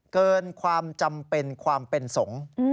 เกินความจำเป็นความเป็นสงฆ์